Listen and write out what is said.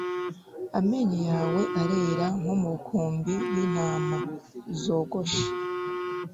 amenyo yawe arera nk'umukumbi w'intama zogoshwe